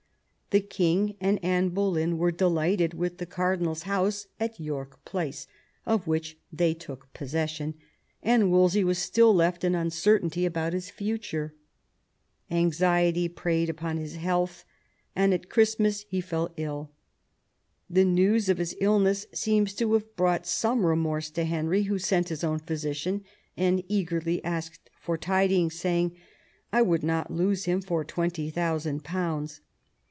The king and Anne Boleyn were delighted with the cardinal's house at York Place, of which they took possession, and Wolsey was still left in uncertainty about his futura Anxiety preyed upon his health, and at Christmas he fell ilL The news of his illness seems to have brought some remorse to Henry, who sent his own physician, and eagerly asked for tidings, saying, "I would not lose him for twenty thousand pounds."